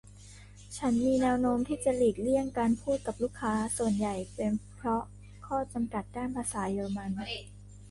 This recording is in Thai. ฉันมีแน้วโน้มที่จะหลีกเลี่ยงการพูดกับลูกค้า ส่วนใหญ่เป็นเพราะข้อจำกัดด้านภาษาเยอรมัน